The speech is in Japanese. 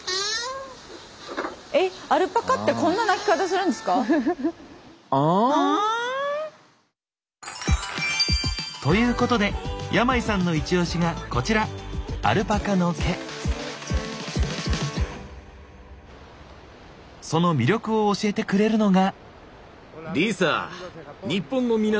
えっアルパカってこんな鳴き方するんですか？ということで山井さんのイチオシがこちらその魅力を教えてくれるのが。